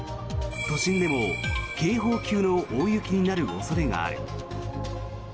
都心でも警報級の大雪になる恐れがある。